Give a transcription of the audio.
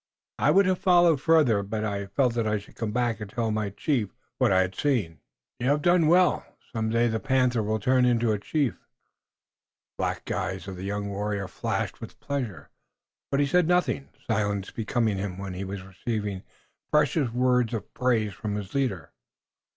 I would have followed further, but I felt that I should come back and tell to my chief, Daganoweda, what I had seen." "You have done well, Haace. Some day the Panther will turn into a chief." The black eyes of the young warrior flashed with pleasure, but he said nothing, silence becoming him when he was receiving precious words of praise from his leader.